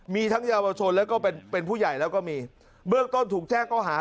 มีทั้งเยาวชนแล้วก็เป็นเป็นผู้ใหญ่แล้วก็มีเบื้องต้นถูกแจ้งก็หา